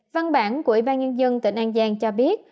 văn bản của ủy ban nhân dân tỉnh an giang cho biết